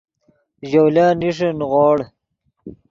ژولن نیݰے نیغوڑ